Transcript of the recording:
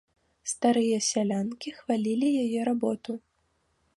Старыя сялянкі хвалілі яе работу.